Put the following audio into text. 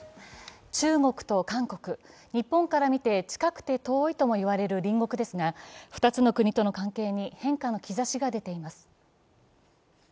中国と韓国、日本から見て近くて遠いとも言われる隣国ですが、２つの国との関係に変化の兆しが出ています。